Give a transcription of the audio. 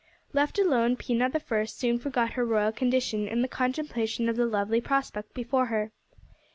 Left alone, Pina the First soon forgot her royal condition in contemplation of the lovely prospect before her.